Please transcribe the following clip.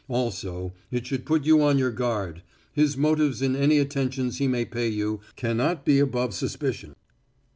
Also it should put you on your guard his motives in any attentions he may pay you can not be above suspicion."